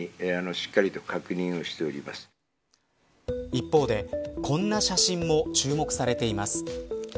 一方でこんな写真も注目されています。